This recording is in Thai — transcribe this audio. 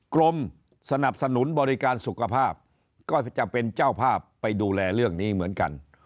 กรมสนับสนุนบริการสุขภาพก็จะเป็นเจ้าภาพไปดูแลเรื่องนี้เหมือนกัน